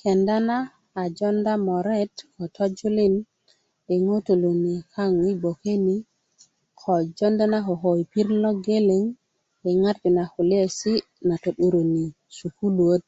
kenda na ajonda tojulin ko moret i ŋutu liŋ i kaŋ i gboke ni ko jonda na koko i pirit na geleŋ i ŋarju na kulyesi ti sukuluöt